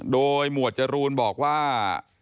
โดยหมวดจรูนบอกว่า